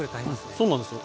そうなんですよ。